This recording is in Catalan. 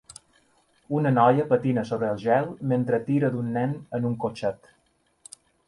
Una noia patina sobre el gel mentre tira d'un nen en un cotxet.